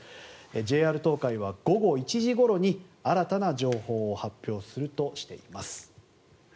ＪＲ東海は午後１時ごろに新たな情報を発表するとしています。